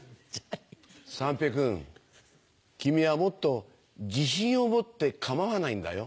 三平君君はもっと自信を持って構わないんだよ。